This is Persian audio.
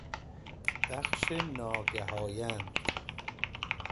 بخش ناگه آیند